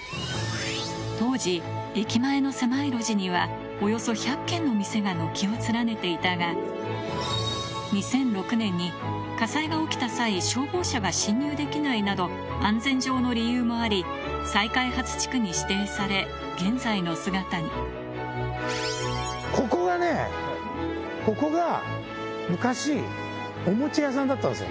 当時、駅前の狭い路地には、およそ１００軒の店が軒を連ねていたが、２００６年に火災が起きた際、消防車が進入できないなど、安全上の理由もあり、再開発地区ここがね、ここが、昔、おもちゃ屋さんだったですよ。